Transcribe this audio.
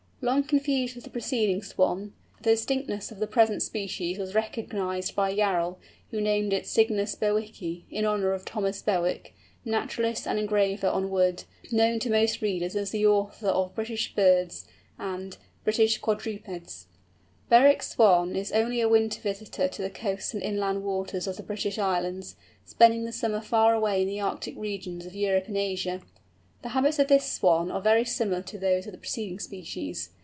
Long confused with the preceding Swan, the distinctness of the present species was recognised by Yarrell, who named it Cygnus bewicki, in honour of Thomas Bewick, naturalist and engraver on wood, known to most readers as the author of the British Birds and British Quadrupeds. Bewick's Swan is only a winter visitor to the coasts and inland waters of the British Islands, spending the summer far away in the Arctic regions of Europe and Asia. The habits of this Swan are very similar to those of the preceding species.